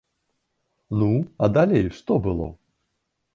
Ну, а далей што было?